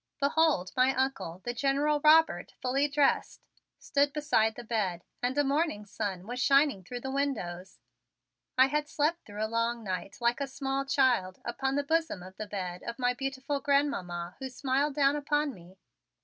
Behold, my Uncle, the General Robert, fully dressed, stood beside the bed and a morning sun was shining through the windows. I had slept through a long night like a small child upon the bosom of the bed of my beautiful Grandmamma who smiled down upon me.